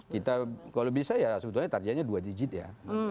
kita kalau bisa ya sebetulnya targetnya dua digit ya